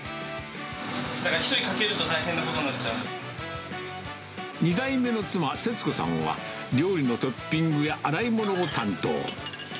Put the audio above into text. １人欠けると、大変なことに２代目の妻、設子さんは、料理のトッピングや洗い物を担当。